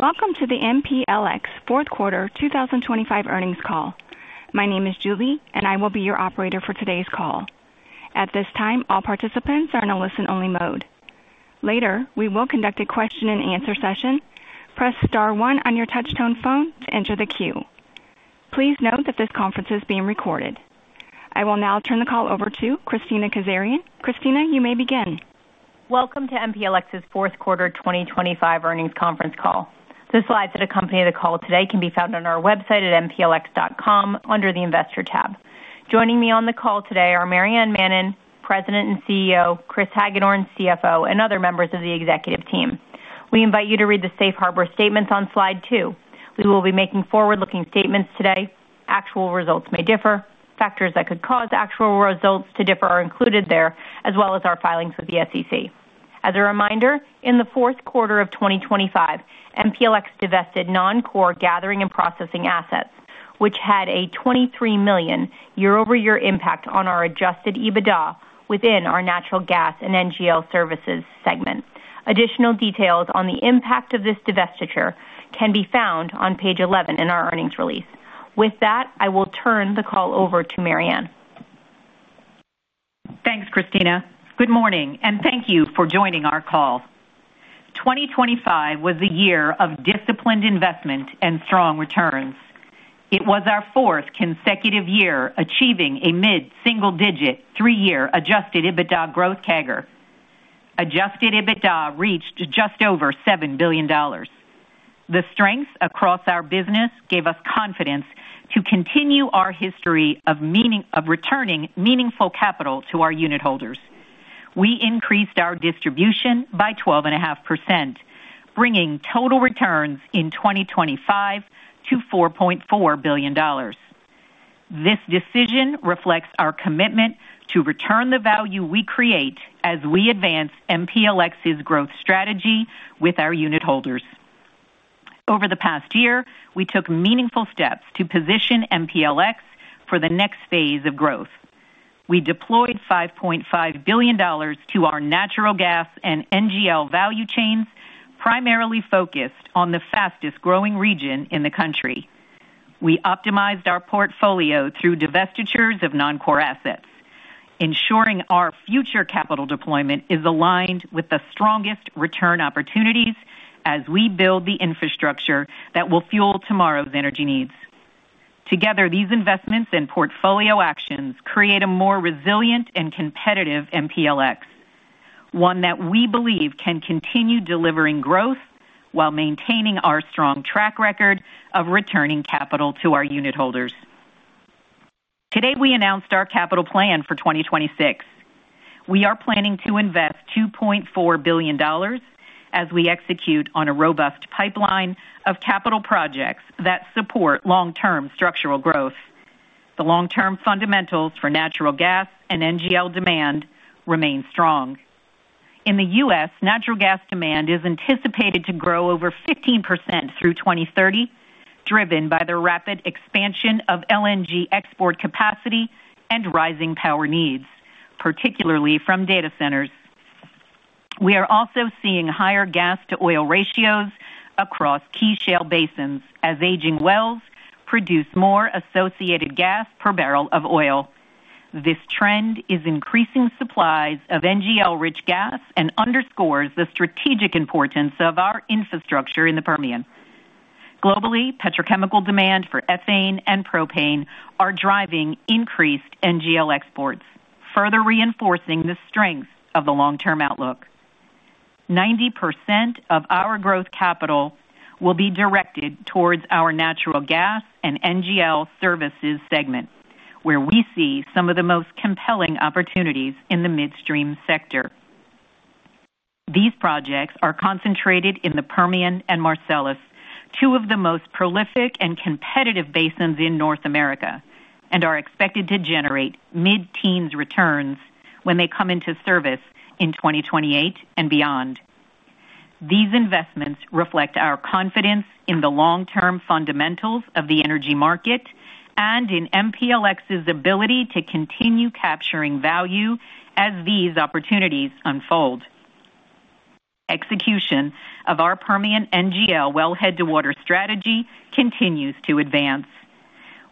Welcome to the MPLX fourth quarter 2025 earnings call. My name is Julie, and I will be your operator for today's call. At this time, all participants are in a listen-only mode. Later, we will conduct a question-and-answer session. Press star one on your touch-tone phone to enter the queue. Please note that this conference is being recorded. I will now turn the call over to Kristina Kazarian. Kristina, you may begin. Welcome to MPLX's fourth quarter 2025 earnings conference call. The slides that accompany the call today can be found on our website at mplx.com under the Investor tab. Joining me on the call today are Maryann Mannen, President and CEO, Chris Hagedorn, CFO, and other members of the executive team. We invite you to read the safe harbor statements on slide 2. We will be making forward-looking statements today. Actual results may differ. Factors that could cause actual results to differ are included there, as well as our filings with the SEC. As a reminder, in the fourth quarter of 2025, MPLX divested non-core gathering and processing assets, which had a $23 million year-over-year impact on our Adjusted EBITDA within our natural gas and NGL services segment. Additional details on the impact of this divestiture can be found on page 11 in our earnings release. With that, I will turn the call over to Maryann. Thanks, Kristina. Good morning, and thank you for joining our call. 2025 was a year of disciplined investment and strong returns. It was our fourth consecutive year achieving a mid-single-digit, three-year Adjusted EBITDA growth CAGR. Adjusted EBITDA reached just over $7 billion. The strength across our business gave us confidence to continue our history of returning meaningful capital to our unit holders. We increased our distribution by 12.5%, bringing total returns in 2025 to $4.4 billion. This decision reflects our commitment to return the value we create as we advance MPLX's growth strategy with our unit holders. Over the past year, we took meaningful steps to position MPLX for the next phase of growth. We deployed $5.5 billion to our natural gas and NGL value chains, primarily focused on the fastest-growing region in the country. We optimized our portfolio through divestitures of non-core assets, ensuring our future capital deployment is aligned with the strongest return opportunities as we build the infrastructure that will fuel tomorrow's energy needs. Together, these investments and portfolio actions create a more resilient and competitive MPLX, one that we believe can continue delivering growth while maintaining our strong track record of returning capital to our unit holders. Today, we announced our capital plan for 2026. We are planning to invest $2.4 billion as we execute on a robust pipeline of capital projects that support long-term structural growth. The long-term fundamentals for natural gas and NGL demand remain strong. In the U.S., natural gas demand is anticipated to grow over 15% through 2030, driven by the rapid expansion of LNG export capacity and rising power needs, particularly from data centers. We are also seeing higher gas-to-oil ratios across key shale basins as aging wells produce more associated gas per barrel of oil. This trend is increasing supplies of NGL-rich gas and underscores the strategic importance of our infrastructure in the Permian. Globally, petrochemical demand for ethane and propane are driving increased NGL exports, further reinforcing the strength of the long-term outlook. 90% of our growth capital will be directed towards our natural gas and NGL services segment, where we see some of the most compelling opportunities in the midstream sector. These projects are concentrated in the Permian and Marcellus, two of the most prolific and competitive basins in North America, and are expected to generate mid-teens returns when they come into service in 2028 and beyond. These investments reflect our confidence in the long-term fundamentals of the energy market and in MPLX's ability to continue capturing value as these opportunities unfold. Execution of our Permian NGL Wellhead to Water strategy continues to advance.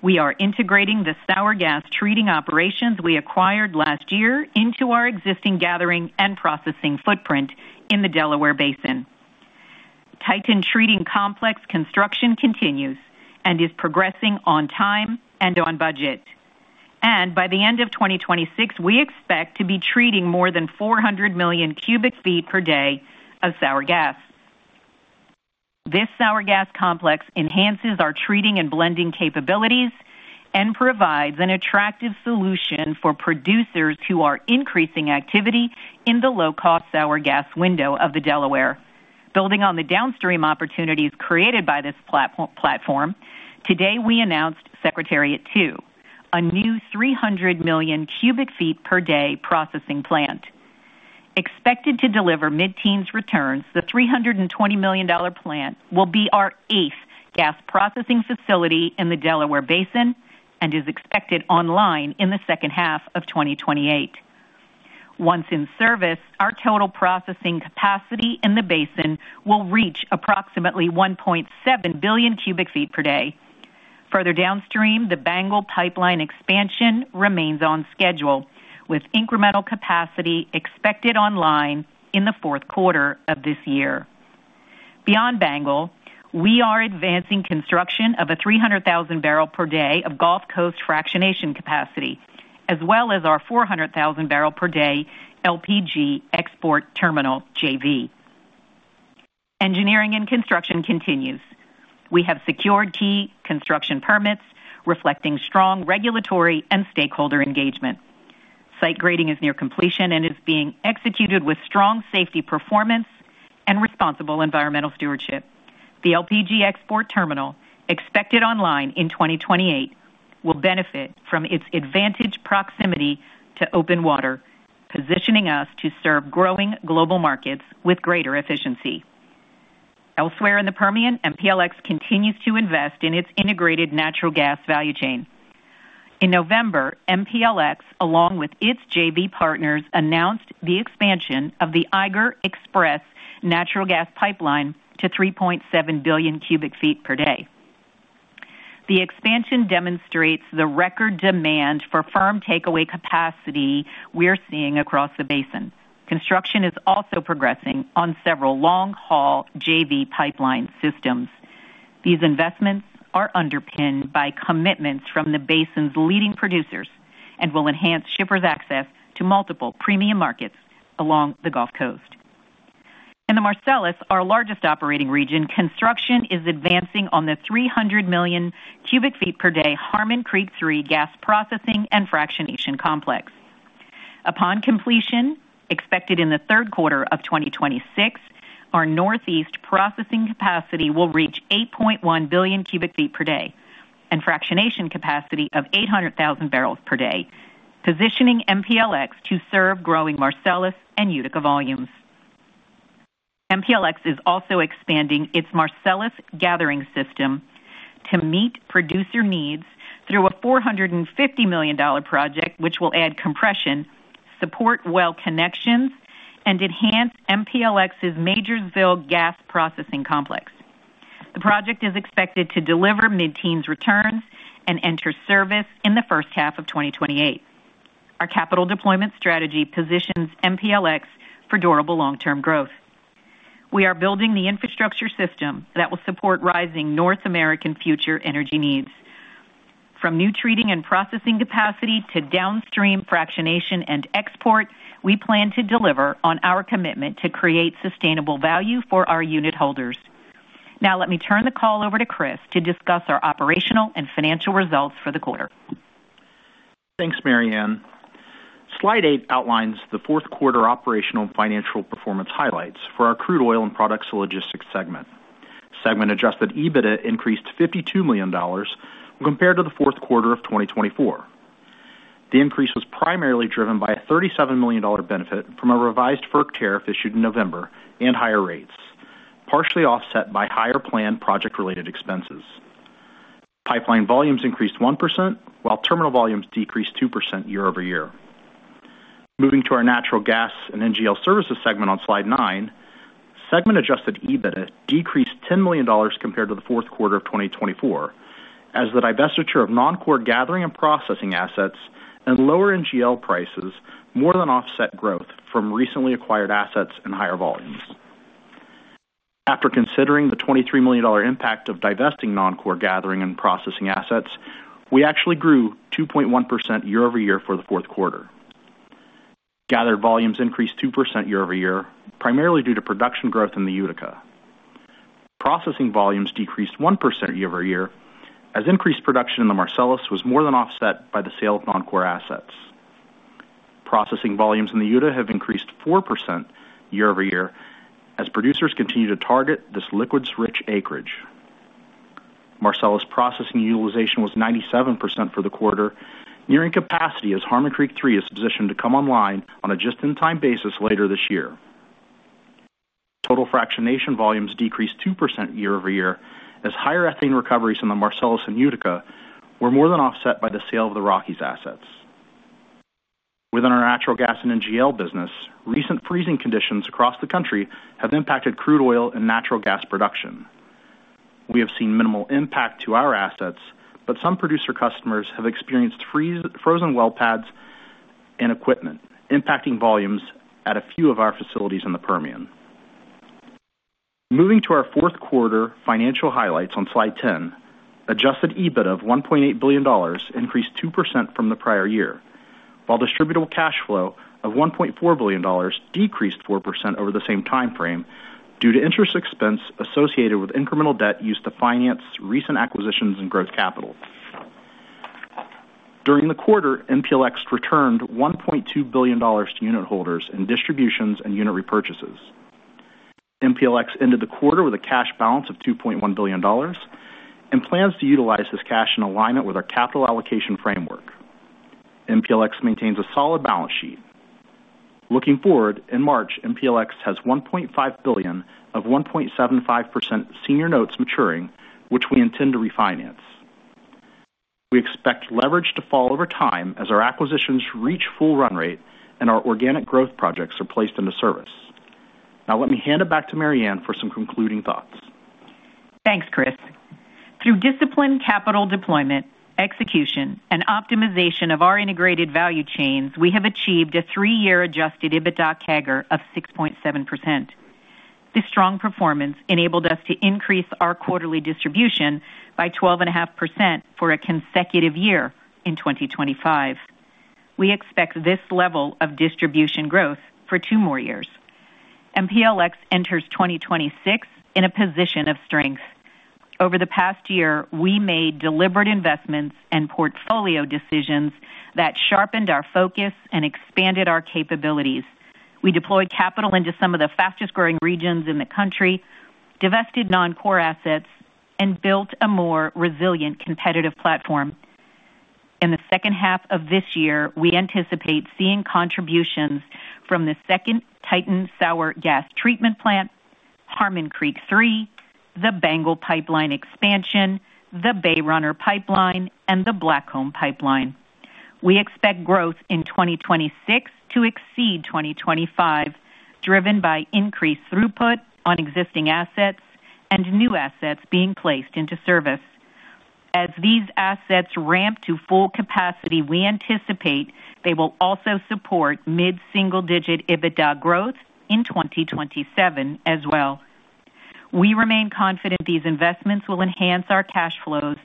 We are integrating the sour gas treating operations we acquired last year into our existing gathering and processing footprint in the Delaware Basin. Titan Treating Complex construction continues and is progressing on time and on budget. By the end of 2026, we expect to be treating more than 400 million cubic feet per day of sour gas. This sour gas complex enhances our treating and blending capabilities and provides an attractive solution for producers who are increasing activity in the low-cost sour gas window of the Delaware. Building on the downstream opportunities created by this platform, today, we announced Secretariat II, a new 300 million cubic feet per day processing plant. Expected to deliver mid-teens returns, the $320 million plant will be our eighth gas processing facility in the Delaware Basin and is expected online in the second half of 2028. Once in service, our total processing capacity in the basin will reach approximately 1.7 billion cubic feet per day. Further downstream, the BANGL pipeline expansion remains on schedule, with incremental capacity expected online in the fourth quarter of this year. Beyond BANGL, we are advancing construction of a 300,000 barrel per day of Gulf Coast fractionation capacity, as well as our 400,000 barrel per day LPG export terminal JV. Engineering and construction continues. We have secured key construction permits, reflecting strong regulatory and stakeholder engagement. Site grading is near completion and is being executed with strong safety performance and responsible environmental stewardship. The LPG export terminal, expected online in 2028, will benefit from its advantaged proximity to open water, positioning us to serve growing global markets with greater efficiency. Elsewhere in the Permian, MPLX continues to invest in its integrated natural gas value chain. In November, MPLX, along with its JV partners, announced the expansion of the Eiger Express natural gas pipeline to 3.7 billion cubic feet per day. The expansion demonstrates the record demand for firm takeaway capacity we're seeing across the basin. Construction is also progressing on several long-haul JV pipeline systems. These investments are underpinned by commitments from the basin's leading producers and will enhance shippers' access to multiple premium markets along the Gulf Coast. In the Marcellus, our largest operating region, construction is advancing on the 300 million cubic feet per day Harmon Creek III gas processing and fractionation complex. Upon completion, expected in the third quarter of 2026, our Northeast processing capacity will reach 8.1 billion cubic feet per day and fractionation capacity of 800,000 barrels per day, positioning MPLX to serve growing Marcellus and Utica volumes. MPLX is also expanding its Marcellus gathering system to meet producer needs through a $450 million project, which will add compression, support well connections, and enhance MPLX's Majorsville gas processing complex. The project is expected to deliver mid-teens returns and enter service in the first half of 2028. Our capital deployment strategy positions MPLX for durable long-term growth. We are building the infrastructure system that will support rising North American future energy needs. From new treating and processing capacity to downstream fractionation and export, we plan to deliver on our commitment to create sustainable value for our unit holders. Now, let me turn the call over to Chris to discuss our operational and financial results for the quarter. Thanks, Maryann. Slide 8 outlines the fourth quarter operational and financial performance highlights for our crude oil and products logistics segment. Segment adjusted EBITDA increased $52 million compared to the fourth quarter of 2024. The increase was primarily driven by a $37 million benefit from a revised FERC tariff issued in November and higher rates, partially offset by higher planned project-related expenses. Pipeline volumes increased 1%, while terminal volumes decreased 2% year over year. Moving to our natural gas and NGL services segment on Slide 9, segment adjusted EBITDA decreased $10 million compared to the fourth quarter of 2024, as the divestiture of non-core gathering and processing assets and lower NGL prices more than offset growth from recently acquired assets and higher volumes. After considering the $23 million impact of divesting non-core gathering and processing assets, we actually grew 2.1% year-over-year for the fourth quarter. Gathered volumes increased 2% year-over-year, primarily due to production growth in the Utica. Processing volumes decreased 1% year-over-year, as increased production in the Marcellus was more than offset by the sale of non-core assets. Processing volumes in the Utica have increased 4% year-over-year as producers continue to target this liquids-rich acreage. Marcellus processing utilization was 97% for the quarter, nearing capacity as Harmon Creek III is positioned to come online on a just-in-time basis later this year. Total fractionation volumes decreased 2% year-over-year, as higher ethane recoveries in the Marcellus and Utica were more than offset by the sale of the Rockies assets. Within our natural gas and NGL business, recent freezing conditions across the country have impacted crude oil and natural gas production. We have seen minimal impact to our assets, but some producer customers have experienced frozen well pads and equipment, impacting volumes at a few of our facilities in the Permian. Moving to our fourth quarter financial highlights on Slide 10, Adjusted EBITDA of $1.8 billion increased 2% from the prior year, while distributable cash flow of $1.4 billion decreased 4% over the same time frame due to interest expense associated with incremental debt used to finance recent acquisitions and growth capital. During the quarter, MPLX returned $1.2 billion to unit holders in distributions and unit repurchases. MPLX ended the quarter with a cash balance of $2.1 billion and plans to utilize this cash in alignment with our capital allocation framework. MPLX maintains a solid balance sheet. Looking forward, in March, MPLX has $1.5 billion of 1.75% senior notes maturing, which we intend to refinance. We expect leverage to fall over time as our acquisitions reach full run rate and our organic growth projects are placed into service. Now let me hand it back to Maryann for some concluding thoughts. Thanks, Chris. Through disciplined capital deployment, execution, and optimization of our integrated value chains, we have achieved a three-year Adjusted EBITDA CAGR of 6.7%. This strong performance enabled us to increase our quarterly distribution by 12.5% for a consecutive year in 2025. We expect this level of distribution growth for two more years. MPLX enters 2026 in a position of strength. Over the past year, we made deliberate investments and portfolio decisions that sharpened our focus and expanded our capabilities. We deployed capital into some of the fastest-growing regions in the country, divested non-core assets, and built a more resilient, competitive platform. In the second half of this year, we anticipate seeing contributions from the second Titan sour gas treatment plant, Harmon Creek III, the BANGL pipeline expansion, the Bayrunner pipeline, and the Blackcomb pipeline. We expect growth in 2026 to exceed 2025, driven by increased throughput on existing assets and new assets being placed into service. As these assets ramp to full capacity, we anticipate they will also support mid-single-digit EBITDA growth in 2027 as well. We remain confident these investments will enhance our cash flows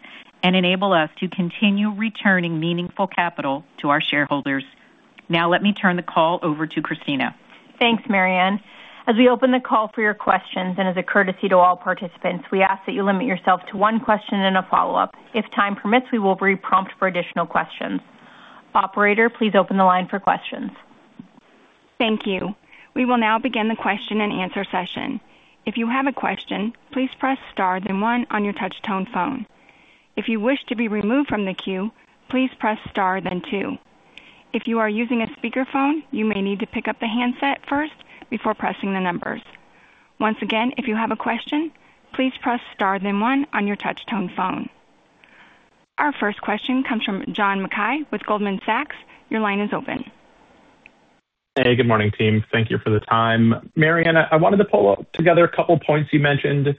and enable us to continue returning meaningful capital to our shareholders. Now let me turn the call over to Christina. Thanks, Maryann. As we open the call for your questions, and as a courtesy to all participants, we ask that you limit yourself to one question and a follow-up. If time permits, we will reprompt for additional questions. Operator, please open the line for questions. Thank you. We will now begin the question-and-answer session. If you have a question, please press * then 1 on your touch-tone phone. If you wish to be removed from the queue, please press * then 2. If you are using a speakerphone, you may need to pick up the handset first before pressing the numbers. Once again, if you have a question, please press * then 1 on your touch-tone phone. Our first question comes from John Mackay with Goldman Sachs. Your line is open. Hey, good morning, team. Thank you for the time. Maryann, I wanted to pull together a couple points you mentioned.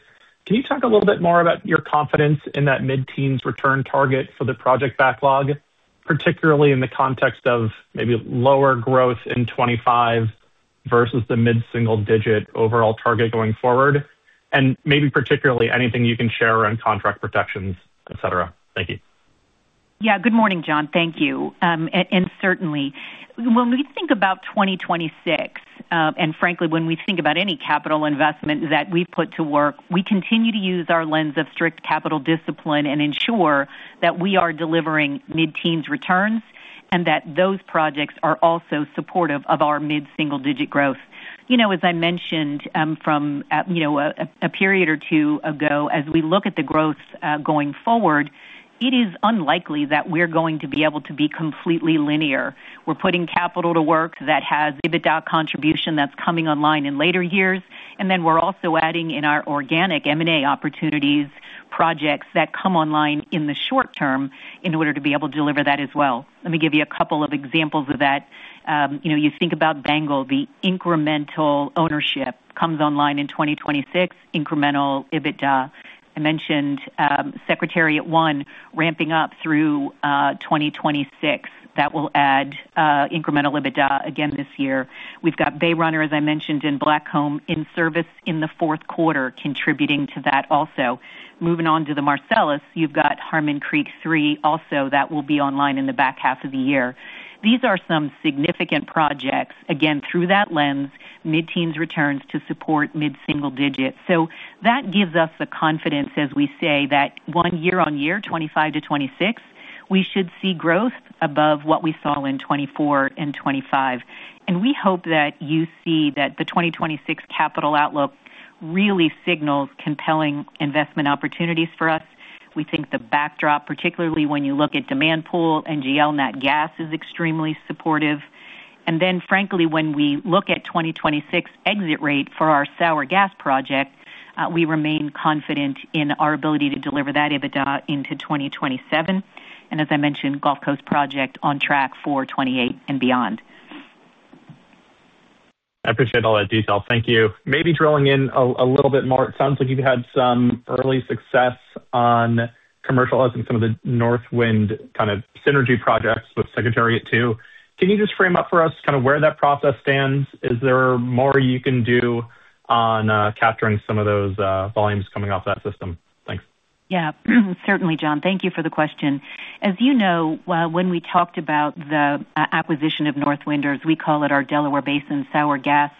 Can you talk a little bit more about your confidence in that mid-teens return target for the project backlog, particularly in the context of maybe lower growth in 25 versus the mid-single digit overall target going forward, and maybe particularly anything you can share on contract protections, et cetera? Thank you. Yeah, good morning, John. Thank you. And certainly. When we think about 2026, and frankly, when we think about any capital investment that we put to work, we continue to use our lens of strict capital discipline and ensure that we are delivering mid-teens returns and that those projects are also supportive of our mid-single-digit growth. You know, as I mentioned, you know, a period or two ago, as we look at the growth, going forward, it is unlikely that we're going to be able to be completely linear. We're putting capital to work that has EBITDA contribution that's coming online in later years, and then we're also adding in our organic M&A opportunities, projects that come online in the short term in order to be able to deliver that as well. Let me give you a couple of examples of that. You know, you think about BANGL, the incremental ownership comes online in 2026, incremental EBITDA. I mentioned, Secretariat I ramping up through 2026. That will add incremental EBITDA again this year. We've got Bayrunner, as I mentioned, in Blackcomb, in service in the fourth quarter, contributing to that also. Moving on to the Marcellus, you've got Harmon Creek III also, that will be online in the back half of the year. These are some significant projects, again, through that lens, mid-teens returns to support mid-single digits. So, that gives us the confidence, as we say, that year-on-year, 2025-2026, we should see growth above what we saw in 2024 and 2025. And we hope that you see that the 2026 capital outlook really signals compelling investment opportunities for us. We think the backdrop, particularly when you look at demand pool, NGL nat gas, is extremely supportive. And then, frankly, when we look at 2026 exit rate for our sour gas project, we remain confident in our ability to deliver that EBITDA into 2027, and as I mentioned, Gulf Coast project on track for 2028 and beyond. I appreciate all that detail. Thank you. Maybe drilling in a little bit more. It sounds like you've had some early success on commercializing some of the Northwind kind of synergy projects with Secretariat II. Can you just frame up for us kind of where that process stands? Is there more you can do on capturing some of those volumes coming off that system? Thanks. Yeah, certainly, John. Thank you for the question. As you know, when we talked about the acquisition of Northwinder, as we call it, our Delaware Basin sour gas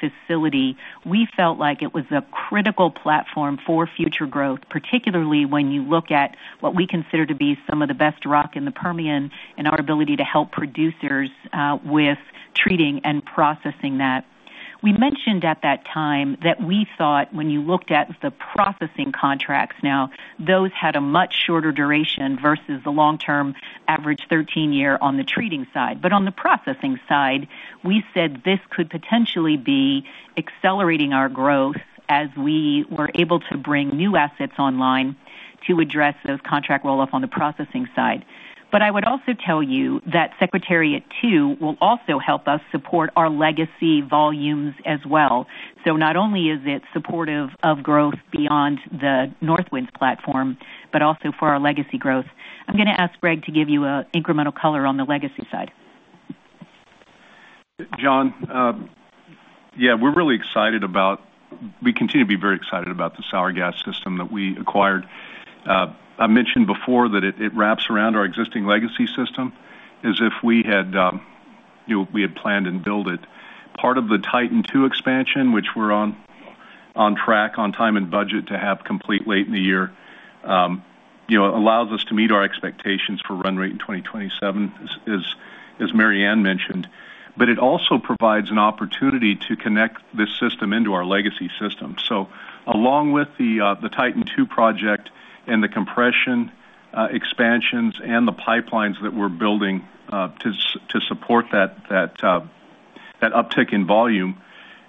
facility, we felt like it was a critical platform for future growth, particularly when you look at what we consider to be some of the best rock in the Permian and our ability to help producers with treating and processing that. We mentioned at that time that we thought when you looked at the processing contracts now, those had a much shorter duration versus the long-term average 13-year on the treating side. But on the processing side, we said this could potentially be accelerating our growth as we were able to bring new assets online to address those contract roll-off on the processing side. But I would also tell you that Secretariat II will also help us support our legacy volumes as well. So not only is it supportive of growth beyond the Northwind platform, but also for our legacy growth. I'm going to ask Greg to give you incremental color on the legacy side. John, yeah, we're really excited about—we continue to be very excited about the sour gas system that we acquired. I mentioned before that it wraps around our existing legacy system as if we had planned and built it. Part of the Titan II expansion, which we're on track, on time and budget to have complete late in the year, you know, allows us to meet our expectations for run rate in 2027, as Maryann mentioned. But it also provides an opportunity to connect this system into our legacy system. So, along with the Titan II project and the compression expansions and the pipelines that we're building to support that uptick in volume,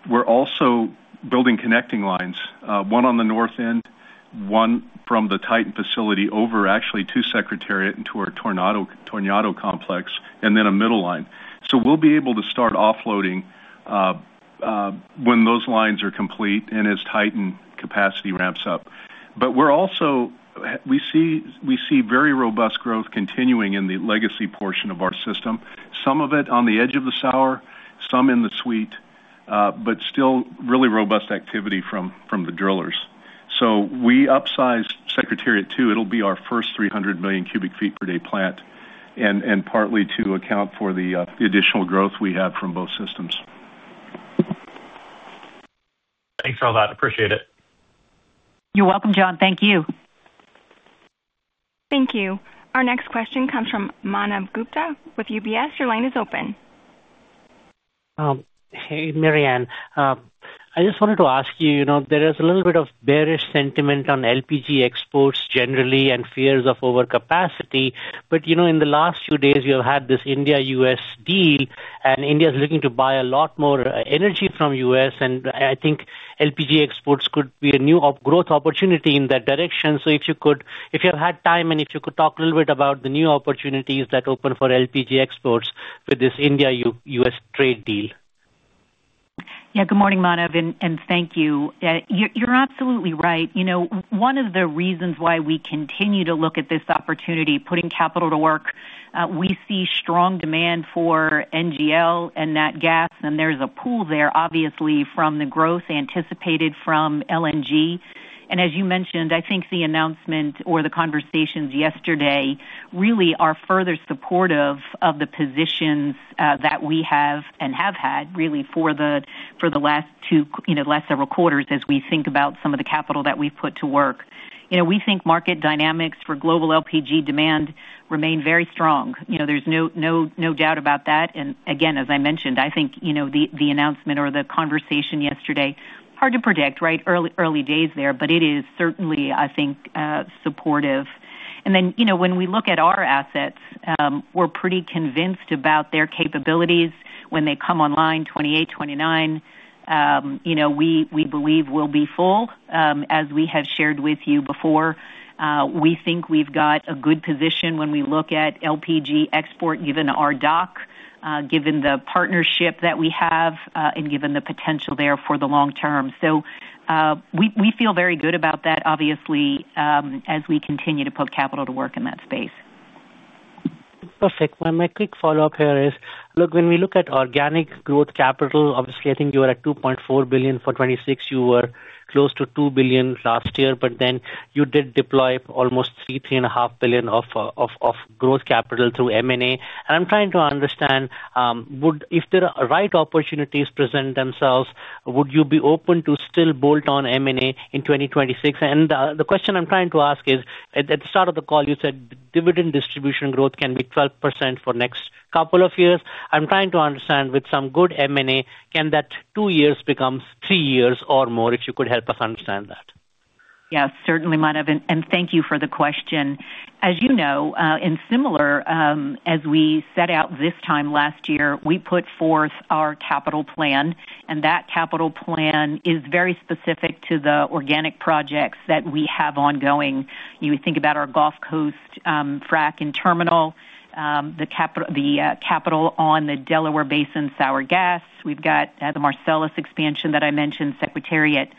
we're also building connecting lines, one on the north end, one from the Titan facility over actually to Secretariat into our Tornado complex, and then a middle line. So, we'll be able to start offloading when those lines are complete and as Titan capacity ramps up. But we're also, we see very robust growth continuing in the legacy portion of our system, some of it on the edge of the sour, some in the sweet, but still really robust activity from the drillers. So, we upsized Secretariat II. It'll be our first 300 million cubic feet per day plant, and partly to account for the additional growth we have from both systems. Thanks for all that. Appreciate it. You're welcome, John. Thank you. Thank you. Our next question comes from Manav Gupta with UBS. Your line is open. Hey, Maryann. I just wanted to ask you, you know, there is a little bit of bearish sentiment on LPG exports generally and fears of overcapacity. But, you know, in the last few days, you have had this India-U.S. deal, and India is looking to buy a lot more, energy from US, and I think LPG exports could be a new growth opportunity in that direction. So, if you had time, and if you could talk a little bit about the new opportunities that open for LPG exports with this India-U.S. trade deal. Yeah, good morning, Manav, and thank you. You're absolutely right. You know, one of the reasons why we continue to look at this opportunity, putting capital to work, we see strong demand for NGL and nat gas, and there's a pool there, obviously, from the growth anticipated from LNG. And as you mentioned, I think the announcement or the conversations yesterday really are further supportive of the positions that we have and have had really for the last two, you know, last several quarters, as we think about some of the capital that we've put to work. You know, we think market dynamics for global LPG demand remain very strong. You know, there's no, no, no doubt about that. And again, as I mentioned, I think, you know, the announcement or the conversation yesterday, hard to predict, right? Early days there, but it is certainly, I think, supportive. And then, you know, when we look at our assets, we're pretty convinced about their capabilities when they come online, 2028, 2029. You know, we believe we'll be full. As we have shared with you before, we think we've got a good position when we look at LPG export, given our dock, given the partnership that we have, and given the potential there for the long term. So, we feel very good about that, obviously, as we continue to put capital to work in that space. Perfect. My quick follow-up here is: look, when we look at organic growth capital, obviously, I think you are at $2.4 billion for 2026. You were close to $2 billion last year, but then you did deploy almost $3-$3.5 billion of growth capital through M&A. And I'm trying to understand, would if the right opportunities present themselves, would you be open to still bolt on M&A in 2026? And the question I'm trying to ask is, at the start of the call, you said dividend distribution growth can be 12% for next couple of years. I'm trying to understand with some good M&A, can that two years becomes three years or more, if you could help us understand that? Yes, certainly, Manav, and thank you for the question. As you know, and similar, as we set out this time last year, we put forth our capital plan, and that capital plan is very specific to the organic projects that we have ongoing. You would think about our Gulf Coast frac and terminal, the capital, the capital on the Delaware Basin sour gas. We've got the Marcellus expansion that I mentioned, Secretariat.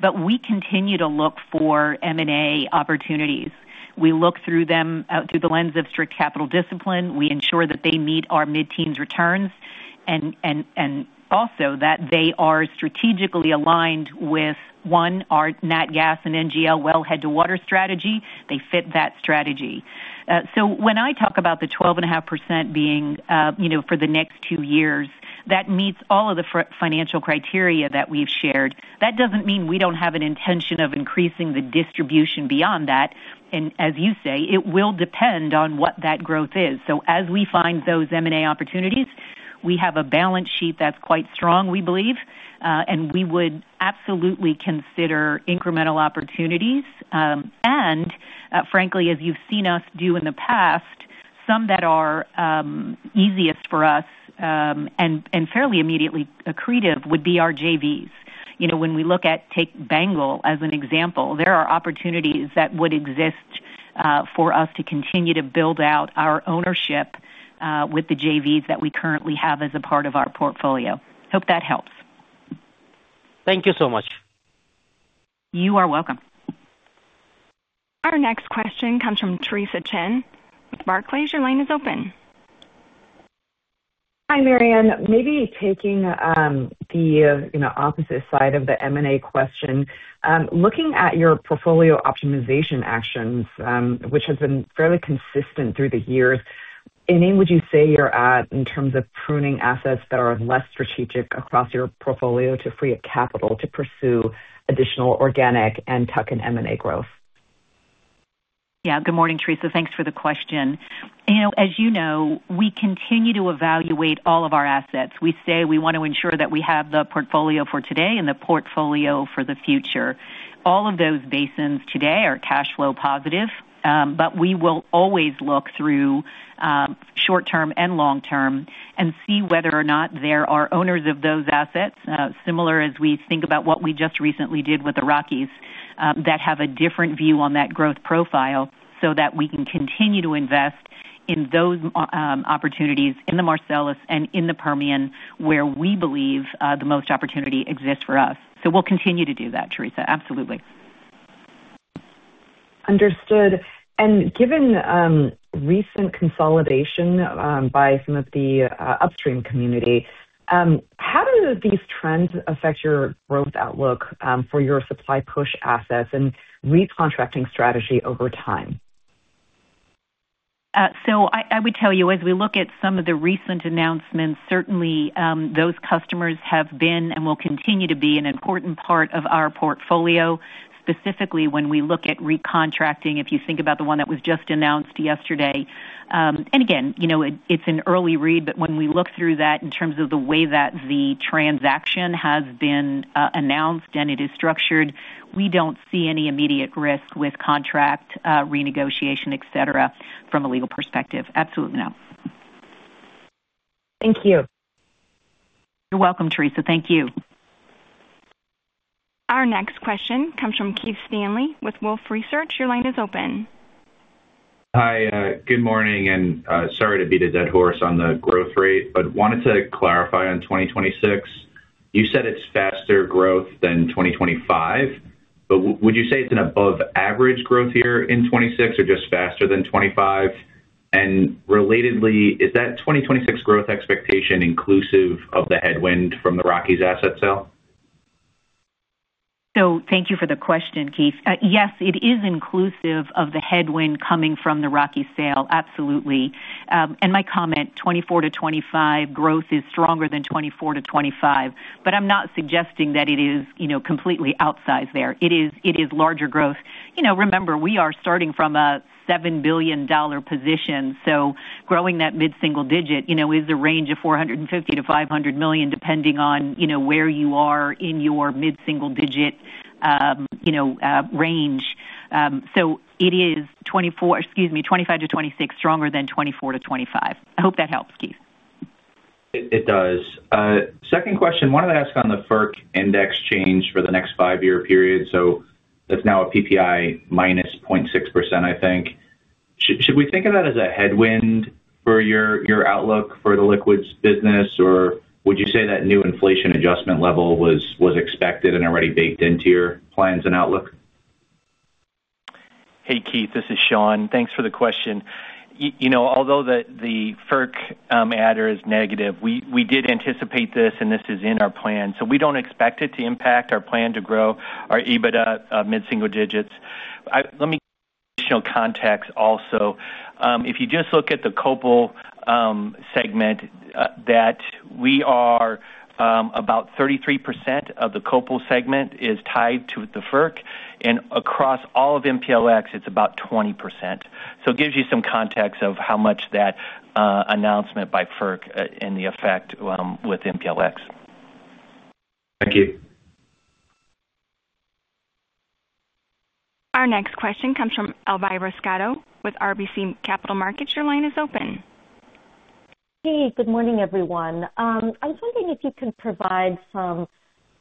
But we continue to look for M&A opportunities. We look through them through the lens of strict capital discipline. We ensure that they meet our mid-teens returns and also that they are strategically aligned with, one, our nat gas and NGL wellhead to water strategy. They fit that strategy. So, when I talk about the 12.5% being, you know, for the next two years, that meets all of the financial criteria that we've shared. That doesn't mean we don't have an intention of increasing the distribution beyond that, and as you say, it will depend on what that growth is. So, as we find those M&A opportunities, we have a balance sheet that's quite strong, we believe, and we would absolutely consider incremental opportunities. And frankly, as you've seen us do in the past, some that are easiest for us and fairly immediately accretive would be our JVs. You know, when we look at, take BANGL as an example, there are opportunities that would exist for us to continue to build out our ownership with the JVs that we currently have as a part of our portfolio. Hope that helps. Thank you so much. You are welcome. Our next question comes from Theresa Chen with Barclays. Your line is open. Hi, Maryann. Maybe taking the, you know, opposite side of the M&A question. Looking at your portfolio optimization actions, which has been fairly consistent through the years, in would you say you're at in terms of pruning assets that are less strategic across your portfolio to free up capital to pursue additional organic and tuck-in M&A growth? Yeah. Good morning, Theresa. Thanks for the question. You know, as you know, we continue to evaluate all of our assets. We say we want to ensure that we have the portfolio for today and the portfolio for the future. All of those basins today are cash flow positive, but we will always look through short term and long term and see whether or not there are owners of those assets, similar as we think about what we just recently did with the Rockies, that have a different view on that growth profile, so that we can continue to invest in those opportunities in the Marcellus and in the Permian, where we believe the most opportunity exists for us. So, we'll continue to do that, Theresa. Absolutely. Understood. Given recent consolidation by some of the upstream community, how do these trends affect your growth outlook for your supply push assets and recontracting strategy over time? So, I would tell you, as we look at some of the recent announcements, certainly, those customers have been and will continue to be an important part of our portfolio, specifically when we look at re-contracting. If you think about the one that was just announced yesterday, and again, you know, it's an early read, but when we look through that in terms of the way that the transaction has been announced and it is structured, we don't see any immediate risk with contract renegotiation, et cetera, from a legal perspective. Absolutely not. Thank you. You're welcome, Theresa. Thank you. Our next question comes from Keith Stanley with Wolfe Research. Your line is open. Hi, good morning, and sorry to beat a dead horse on the growth rate, but wanted to clarify on 2026. You said it's faster growth than 2025, but would you say it's an above average growth year in 2026 or just faster than 2025? And relatedly, is that 2026 growth expectation inclusive of the headwind from the Rockies asset sale? So, thank you for the question, Keith. Yes, it is inclusive of the headwind coming from the Rockies sale. Absolutely. And my comment, 2024-2025 growth is stronger than 2024-2025, but I'm not suggesting that it is, you know, completely outsized there. It is, it is larger growth. You know, remember, we are starting from a $7 billion position, so growing that mid-single digit, you know, is a range of $450 million-$500 million, depending on, you know, where you are in your mid-single digit, range. So, it is 2024—excuse me, 2025-2026, stronger than 2024-2025. I hope that helps, Keith. It, it does. Second question. Wanted to ask on the FERC index change for the next five-year period, so that's now a PPI minus 0.6%, I think. Should we think of that as a headwind for your outlook for the liquids business, or would you say that new inflation adjustment level was expected and already baked into your plans and outlook? Hey, Keith, this is Shawn. Thanks for the question. You know, although the FERC adder is negative, we did anticipate this, and this is in our plan, so we don't expect it to impact our plan to grow our EBITDA mid-single digits. Let me additional context also. If you just look at the COPL segment, that we are about 33% of the COPL segment is tied to the FERC, and across all of MPLX, it's about 20%. So it gives you some context of how much that announcement by FERC and the effect with MPLX. Thank you. Our next question comes from Elvira Scotto with RBC Capital Markets. Your line is open. Hey, good morning, everyone. I was wondering if you can provide some,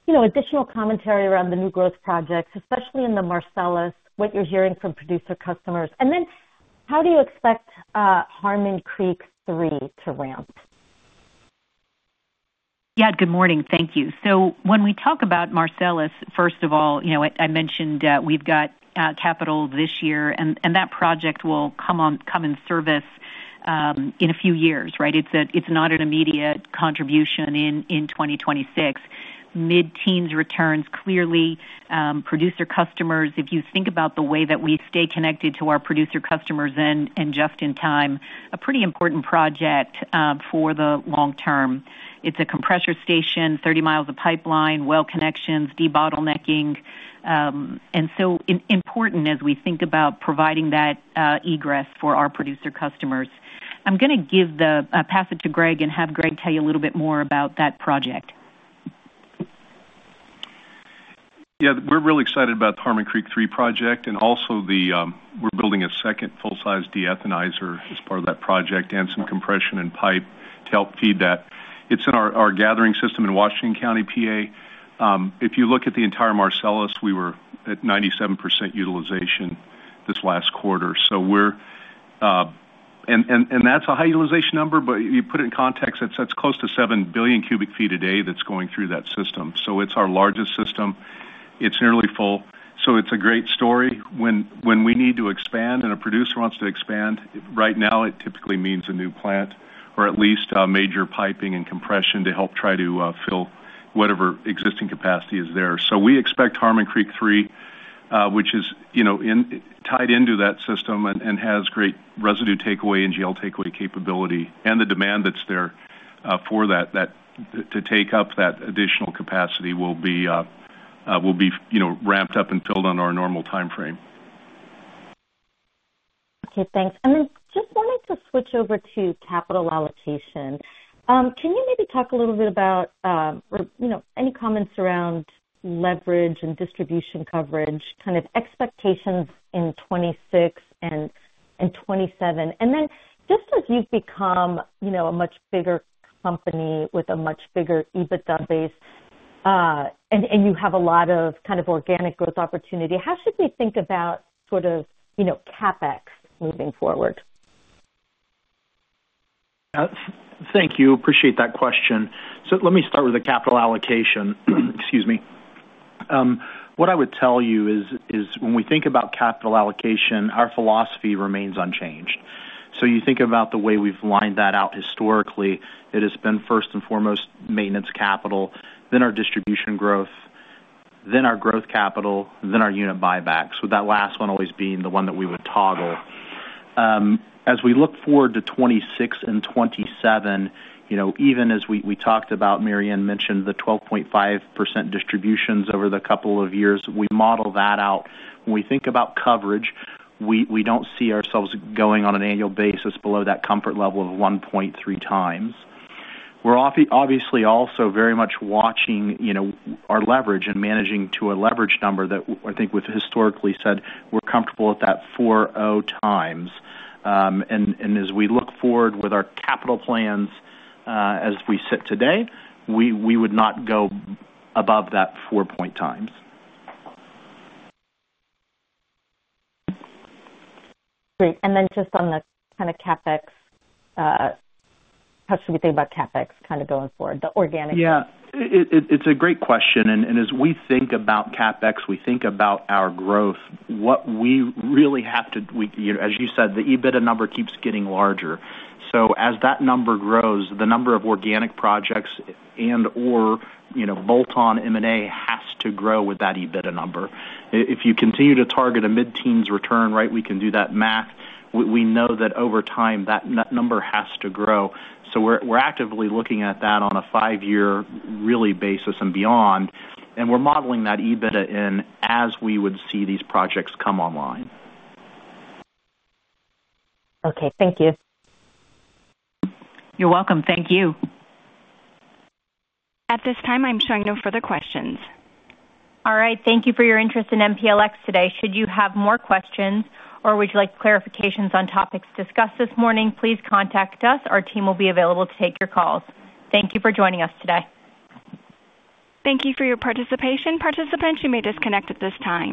you know, additional commentary around the new growth projects, especially in the Marcellus, what you're hearing from producer customers. And then how do you expect Harmon Creek III to ramp? Yeah, good morning. Thank you. So, when we talk about Marcellus, first of all, you know, I mentioned we've got capital this year, and that project will come in service in a few years, right? It's not an immediate contribution in 2026. Mid-teens returns, clearly, producer customers, if you think about the way that we stay connected to our producer customers and just in time, a pretty important project for the long term. It's a compressor station, 30 miles of pipeline, well connections, debottlenecking, and so important as we think about providing that egress for our producer customers. I'm gonna pass it to Greg and have Greg tell you a little bit more about that project. Yeah, we're really excited about the Harmon Creek III project and also the, we're building a second full-size deethanizer as part of that project, and some compression and pipe to help feed that. It's in our gathering system in Washington County, PA. If you look at the entire Marcellus, we were at 97% utilization this last quarter. So, we're and that's a high utilization number, but you put it in context, that's close to 7 billion cubic feet a day that's going through that system. So, it's our largest system. It's nearly full, so it's a great story. When we need to expand and a producer wants to expand, right now, it typically means a new plant or at least major piping and compression to help try to fill whatever existing capacity is there. So, we expect Harmon Creek III, which is, you know, in tied into that system and has great residue takeaway and NGL takeaway capability, and the demand that's there for that to take up that additional capacity will be, you know, ramped up and filled on our normal timeframe. Okay, thanks. And then just wanted to switch over to capital allocation. Can you maybe talk a little bit about, or, you know, any comments around leverage and distribution coverage, kind of expectations in 2026 and, and 2027? And then just as you've become, you know, a much bigger company with a much bigger EBITDA base, and, and you have a lot of kind of organic growth opportunity, how should we think about sort of, you know, CapEx moving forward? Thank you. Appreciate that question. So let me start with the capital allocation. Excuse me. What I would tell you is when we think about capital allocation, our philosophy remains unchanged. So you think about the way we've lined that out historically, it has been, first and foremost, maintenance capital, then our distribution growth, then our growth capital, then our unit buybacks, with that last one always being the one that we would toggle. As we look forward to 2026 and 2027, you know, even as we talked about, Maryann mentioned the 12.5% distributions over the couple of years, we model that out. When we think about coverage, we don't see ourselves going on an annual basis below that comfort level of 1.3 times. We're obviously also very much watching, you know, our leverage and managing to a leverage number that I think we've historically said we're comfortable at that 4.0x. And as we look forward with our capital plans, as we sit today, we would not go above that 4.0x. Great. Then just on the kind of CapEx, how should we think about CapEx kind of going forward, the organic? Yeah, it's a great question, and as we think about CapEx, we think about our growth. What we really have to... We, you know, as you said, the EBITDA number keeps getting larger. So, as that number grows, the number of organic projects and/or, you know, bolt-on M&A has to grow with that EBITDA number. If you continue to target a mid-teens return, right, we can do that math. We know that over time, that number has to grow. So, we're actively looking at that on a five-year really basis and beyond, and we're modeling that EBITDA in as we would see these projects come online. Okay, thank you. You're welcome. Thank you. At this time, I'm showing no further questions. All right. Thank you for your interest in MPLX today. Should you have more questions or would you like clarifications on topics discussed this morning, please contact us. Our team will be available to take your calls. Thank you for joining us today. Thank you for your participation. Participants, you may disconnect at this time.